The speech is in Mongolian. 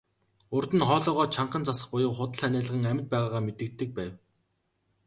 Урьд нь хоолойгоо чангахан засах буюу худал ханиалган амьд байгаагаа мэдэгддэг байв.